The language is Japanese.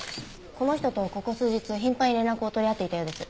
この人とここ数日頻繁に連絡を取り合っていたようです。